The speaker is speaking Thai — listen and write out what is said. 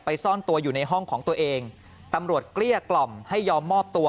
ซ่อนตัวอยู่ในห้องของตัวเองตำรวจเกลี้ยกล่อมให้ยอมมอบตัว